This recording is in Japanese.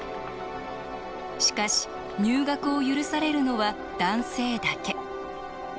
しかし入学を許されるのは男性だけ。